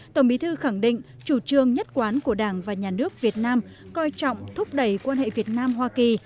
tổng bí thư khẳng định chủ trương nhất quán của đảng và nhà nước việt nam coi trọng thúc đẩy quan hệ việt nam hoa kỳ